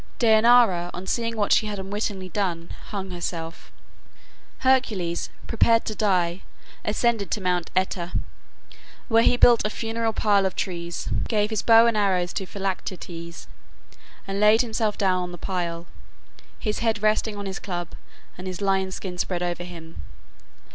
Dejanira, on seeing what she had unwittingly done, hung herself. Hercules, prepared to die, ascended Mount Oeta, where he built a funeral pile of trees, gave his bow and arrows to Philoctetes, and laid himself down on the pile, his head resting on his club, and his lion's skin spread over him.